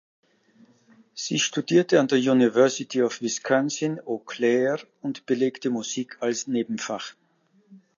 Sie studierte an der University of Wisconsin Eau Claire und belegte Musik als Nebenfach.